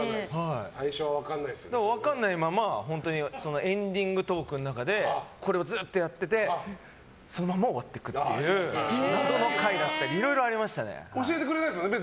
分からないままエンディングトークの中でこれをずっとやっててそのまま終わっていくという謎の回だったり教えてくれないですもんね